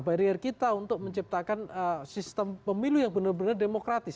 barrier kita untuk menciptakan sistem pemilu yang benar benar demokratis